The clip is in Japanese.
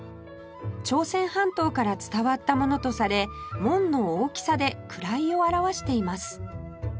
朝鮮半島から伝わったものとされ紋の大きさで位を表しています